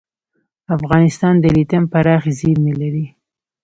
افغانستان د لیتیم پراخې زیرمې لري.